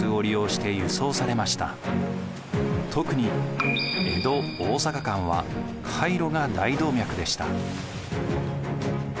特に江戸大坂間は海路が大動脈でした。